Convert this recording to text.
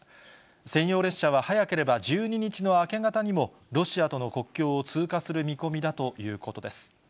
専用列車は早ければ１２日の明け方にも、ロシアとの国境を通過する見込みだということです。